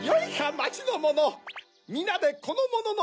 まちのもの！